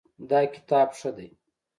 دا کتاب ښه دی